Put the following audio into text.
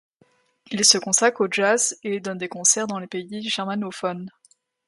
Elle se consacre au jazz et donne des concerts dans les pays germanophones.